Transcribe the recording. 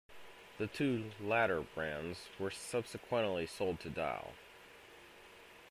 The two latter brands were subsequently sold to Dial.